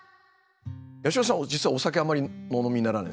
八代さん実はお酒あんまりお飲みにならないんですよね？